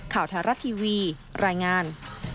ข่าวไทยรัฐทีวีรายงาน